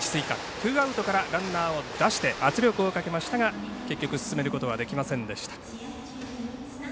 ツーアウトからランナーを出して圧力をかけましたが結局、進めることはできませんでした。